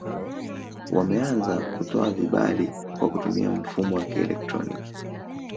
Wameanza kutoa vibali kwa kutumia mfumo wa kielektroniki